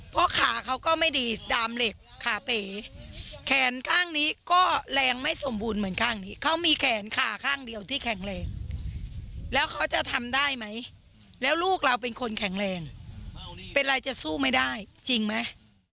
เพราะขาเขาก็ไม่ดีดามเหล็กขาเป๋แขนข้างนี้ก็แรงไม่สมบูรณ์เหมือนข้างนี้เขามีแขนขาข้างเดียวที่แข็งแรงแล้วเขาจะทำได้ไหมแล้วลูกเราเป็นคนแข็งแรงเป็นไรจะสู้ไม่ได้จริงไหม